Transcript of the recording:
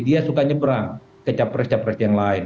dia suka nyeberang ke capres capres yang lain